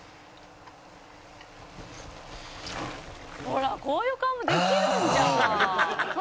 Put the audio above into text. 「ほらこういう顔もできるんじゃん」